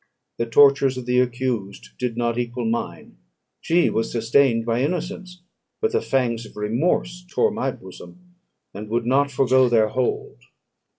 The tortures of the accused did not equal mine; she was sustained by innocence, but the fangs of remorse tore my bosom, and would not forego their hold.